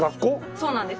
そうなんです。